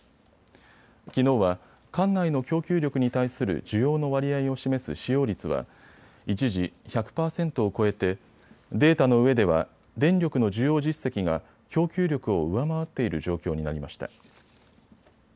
きのうは管内の供給力に対する需要の割合を示す使用率は一時、１００％を超えてデータの上では電力の需要実績が供給力を上回っている状況になりました。